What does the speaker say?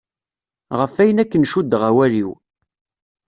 Ɣef ayen aken cuddeɣ awal-iw.